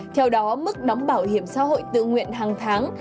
theo đó mức đóng bảo hiểm xã hội tự nguyện hàng tháng